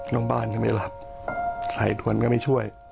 โรงบาลไม่รับสายด่วนก็ไม่ช่วย